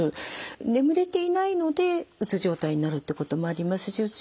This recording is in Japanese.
眠れていないのでうつ状態になるってこともありますしうつ